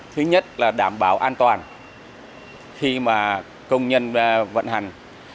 thứ nhất là đảm bảo an toàn khi mà công nhân vận hành